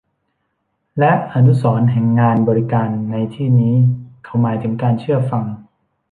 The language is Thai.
และอนุสรณ์แห่งงานบริการในที่นี้เขาหมายถึงการเชื่อฟัง